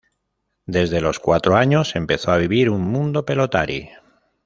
Desde los cuatro años empezó a vivir un mundo pelotari.